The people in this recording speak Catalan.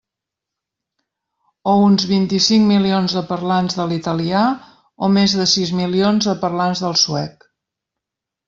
O uns vint-i-cinc milions de parlants de l'italià, o més de sis milions de parlants del suec.